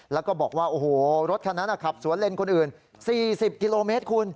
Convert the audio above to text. แล้วก็บอกว่าโอ้โหรถคันนั้นขับสวนเล่นคนอื่น๔๐กิโลเมตรคุณ